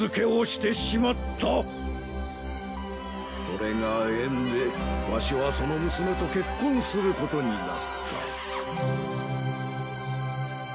それが縁でわしはその娘と結婚することになった。